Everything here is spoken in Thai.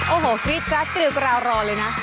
โอ้โหคลิตกัดเกลือกราวรอเลยนะ